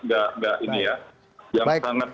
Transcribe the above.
nggak ini ya yang sangat